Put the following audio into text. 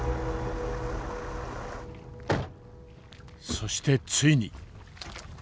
そしてついに。